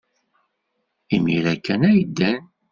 Imir-a kan ay ddan.